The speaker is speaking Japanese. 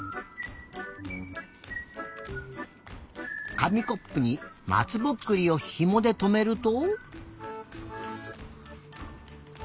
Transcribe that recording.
かみコップにまつぼっくりをひもでとめると。